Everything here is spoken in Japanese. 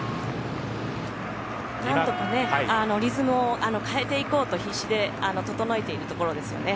何とかリズムを変えていこうと必死で整えているところですよね。